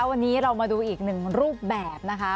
วันนี้เรามาดูอีกหนึ่งรูปแบบนะคะ